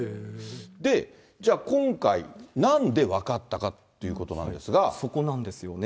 で、じゃあ、今回、なんで分かっそこなんですよね。